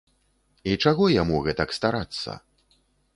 І чаго яму гэтак старацца?